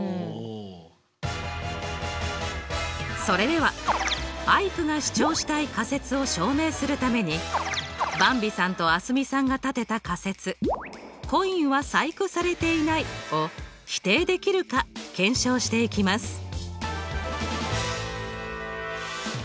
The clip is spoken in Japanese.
それではアイクが主張したい仮説を証明するためにばんびさんと蒼澄さんが立てた仮説「コインは細工されていない」を否定できるか検証していきます。